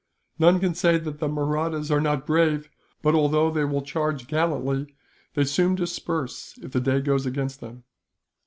None can say that the Mahrattas are not brave but, although they will charge gallantly, they soon disperse if the day goes against them.